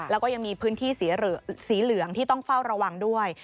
แล้วก็ยังมีพื้นที่สีเหลืองที่ต้องเฝ้าระวังด้วย